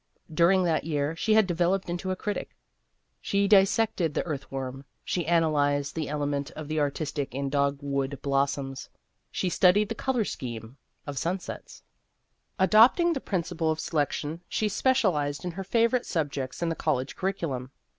During that year she had devel oped into a critic. She dissected the earthworm ; she analyzed the element of the artistic in dogwood blossoms ; she studied the color scheme of sunsets. 216 Vassar Studies Adopting the principle of selection, she specialized in her favorite subjects in the college curriculum.